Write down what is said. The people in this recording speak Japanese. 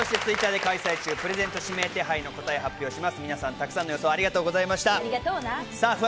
よろしくお願いＴｗｉｔｔｅｒで開催中、プレゼント指名手配の答えを発表します。